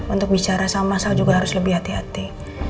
untuk bicara sama masal juga harus lebih hati hati